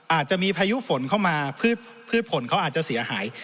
อาจจะมีพายุฝนเข้ามาพืชผลเขาอาจจะเสียหาย